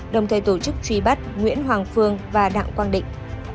đồng thời tổ chức truy bắt nguyễn hoàng phương và đặng quang định